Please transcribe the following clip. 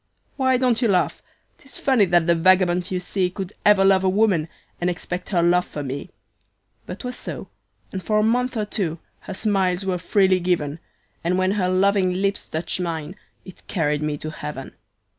"Why don't you laugh? 'Tis funny that the vagabond you see Could ever love a woman, and expect her love for me; But 'twas so, and for a month or two, her smiles were freely given, And when her loving lips touched mine, it carried me to Heaven.